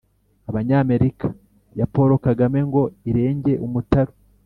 abanyamerika ya paul kagame ngo irenge umutaru